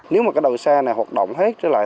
nếu mà cái đầu xe này hoạt động hết trở lại